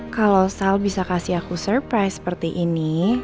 kalo sal bisa kasih aku surprise seperti ini